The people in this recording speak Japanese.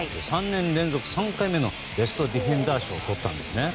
３年連続３回目のベストディフェンダー賞をとったんですね。